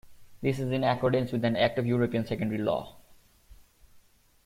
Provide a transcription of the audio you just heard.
This is in accordance with an act of European secondary law.